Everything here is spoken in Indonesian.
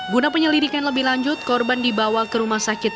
guna penyelidikan lebih lanjut korban dibawa ke rumah sakit